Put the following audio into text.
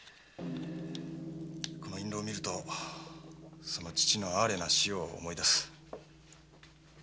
この印籠を見るとその父の哀れな死を思い出す。